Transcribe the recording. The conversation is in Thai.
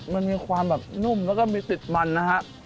มันมีความนุ่มแล้วก็มีติดมันนะครับ